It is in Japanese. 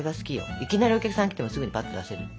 いきなりお客さん来てもすぐにぱっと出せる。